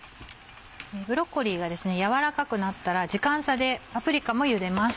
ブロッコリーが柔らかくなったら時間差でパプリカも茹でます。